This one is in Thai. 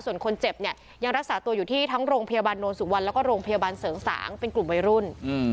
ส่วนคนเจ็บเนี่ยยังรักษาตัวอยู่ที่ทั้งโรงพยาบาลโนนสุวรรณแล้วก็โรงพยาบาลเสริงสางเป็นกลุ่มวัยรุ่น